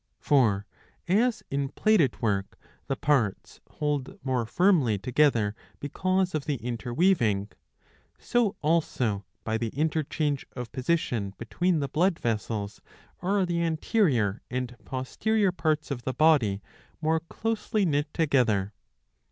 For as in plaited work the parts hold more firmly together because of the interweaving, so also by the interchange of position between the blood vessels are the anterior and posterior parts of the body more closely knit together.